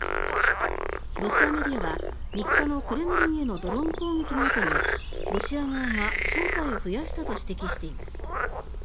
ロシアメディアは３日のクレムリンへのドローン攻撃の後にロシア側が招待を増やしたと指摘しています。